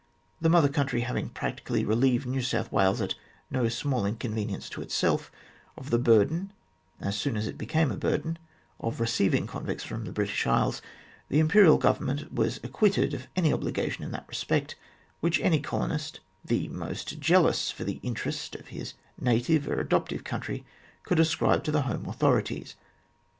The Mother Country having practically relieved New South Wales, at no small inconvenience to itself, of the burden as soon as it became a burden of receiving convicts from the British Isles, the Imperial Government was acquitted of any obligations in that respect which any colonist, the most jealous for the interest of his native or adopted country, could ascribe to the home authorities.